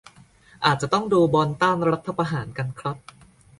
อาจจะต้องดูบอลต้านรัฐประหารกันครับ